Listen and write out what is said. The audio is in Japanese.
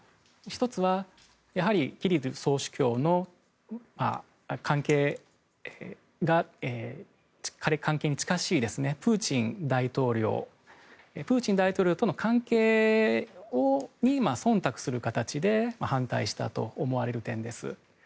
１つは、やはりキリル総主教の関係に近しいプーチン大統領との関係にそんたくする形で反対したと思われる点です。